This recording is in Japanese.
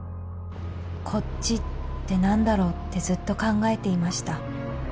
「こっちって何だろうってずっと考えていました」